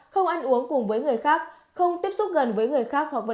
không ăn uống cùng với người khác không tiếp xúc gần với người khác hoặc vật nuôi